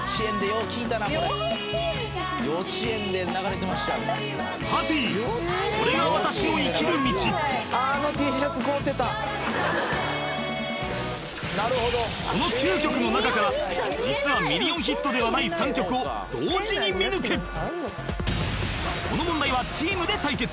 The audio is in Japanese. これからもよろしくねこの９曲の中から実はミリオンヒットではない３曲を同時に見抜けこの問題はチームで対決